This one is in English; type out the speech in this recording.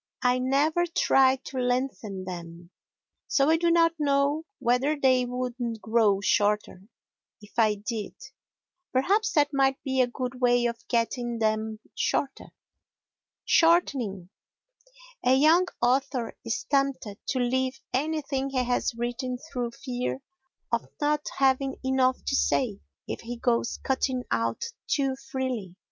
I never try to lengthen them, so I do not know whether they would grow shorter if I did. Perhaps that might be a good way of getting them shorter. Shortening A young author is tempted to leave anything he has written through fear of not having enough to say if he goes cutting out too freely.